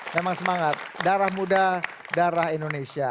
memang semangat darah muda darah indonesia